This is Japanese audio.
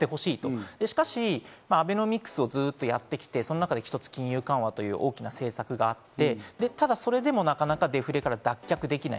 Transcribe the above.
しかしアベノミクスをずっとやってきて、その中で金融緩和という大きな政策があって、それでもなかなかデフレから脱却できない。